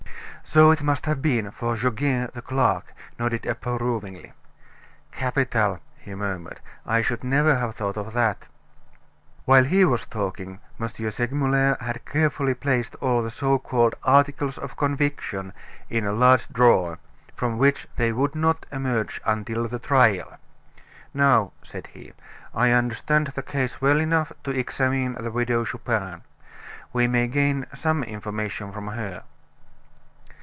So it must have been, for Goguet, the clerk, nodded approvingly. "Capital!" he murmured. "I should never have thought of that." While he was talking, M. Segmuller had carefully placed all the so called "articles of conviction" in a large drawer, from which they would not emerge until the trial. "Now," said he, "I understand the case well enough to examine the Widow Chupin. We may gain some information from her."